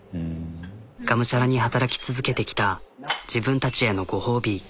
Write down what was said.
がむしゃらに働き続けてきた自分たちへのご褒美。